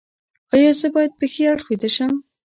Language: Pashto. ایا زه باید په ښي اړخ ویده شم؟